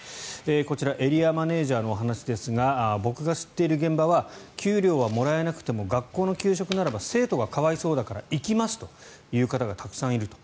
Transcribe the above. こちらエリアマネジャーのお話ですが僕が知っている現場は給料はもらえなくても学校の給食ならば生徒が可哀想だから行きますという方がたくさんいると。